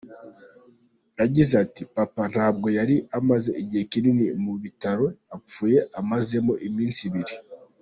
Yagize ati “Papa ntabwo yari amaze igihe kinini mu bitaro, apfuye amazemo iminsi ibiri.